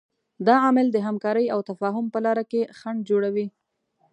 دا عامل د همکارۍ او تفاهم په لاره کې خنډ جوړوي.